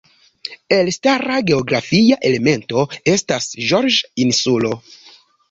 Elstara geografia elemento estas Georges Insulo.